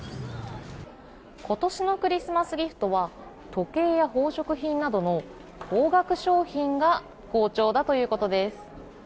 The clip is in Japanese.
今年のクリスマスギフトは時計や宝飾品などの高額商品が好調だということです。